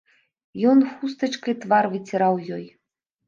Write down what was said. Ён хустачкай твар выціраў ёй.